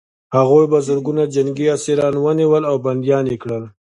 هغوی په زرګونه جنګي اسیران ونیول او بندیان یې کړل